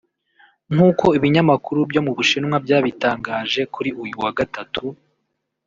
nk’uko ibinyamakuru byo mu Bushinwa byabitangaje kuri uyu wa Gatatu